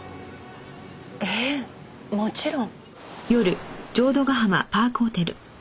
ええもちろん。